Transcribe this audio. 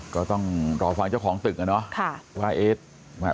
ก็ต้องรอฟังเจ้าของตึกอ่ะเนอะ